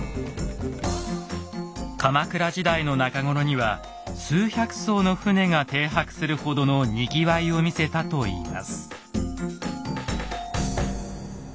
鎌倉時代の中頃には数百艘の船が停泊するほどのにぎわいを見せたといいます。